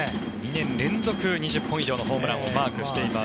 ２年連続２０本以上のホームランをマークしています。